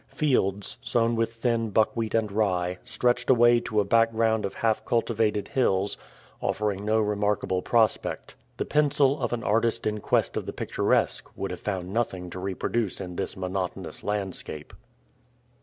Fields, sown with thin buckwheat and rye, stretched away to a background of half cultivated hills, offering no remarkable prospect. The pencil of an artist in quest of the picturesque would have found nothing to reproduce in this monotonous landscape.